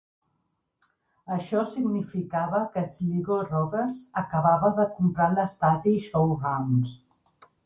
Això significava que Sligo Rovers acabava de comprar l'estadi Showgrounds.